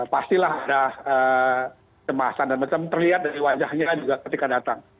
pastilah ada cemasan dan macam terlihat dari wajahnya juga ketika datang